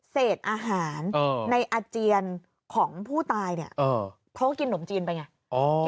เศษอาหารในอาเจียนของผู้ตายเนี่ยเขาก็กินหนมจีนไปไง